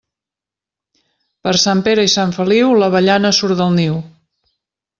Per Sant Pere i Sant Feliu, l'avellana surt del niu.